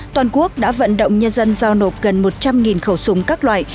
toàn quốc đã vận động nhân dân giao nộp gần một trăm linh khẩu súng các loại